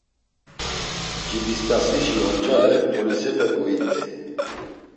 Cibist̆asişi oncale polisepe goit̆ey.